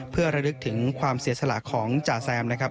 เพื่อระลึกถึงความเสียสละของจ่าแซมนะครับ